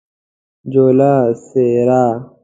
جوله : څیره